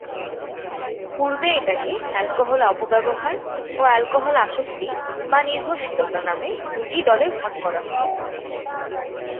পূর্বে এটাকে অ্যালকোহল অপব্যবহার ও অ্যালকোহল আসক্তি বা নির্ভরশীলতা নামে দুটি দলে ভাগ করা হত।